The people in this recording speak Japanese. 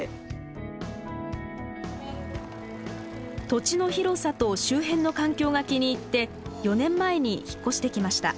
土地の広さと周辺の環境が気に入って４年前に引っ越してきました。